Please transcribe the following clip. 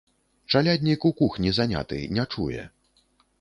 Чаляднік у кухні заняты, не чуе.